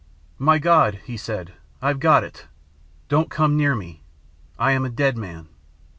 "'My God!' he said. 'I've got it. Don't come near me. I am a dead man.'